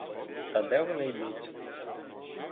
Та де вони йдуть.